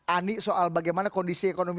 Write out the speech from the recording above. ani soal bagaimana kondisi ekonomi